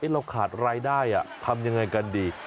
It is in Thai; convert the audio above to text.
เราขาดรายได้ทำยังไงกันดี